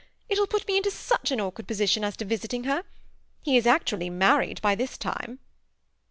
It will put me into such an awkward position as to visiting her. He is actually married by this time."